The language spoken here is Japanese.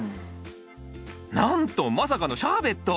なんとまさかのシャーベット！